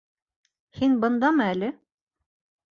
Һин бындамы әле?